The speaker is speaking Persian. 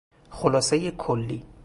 خلاصهی کلی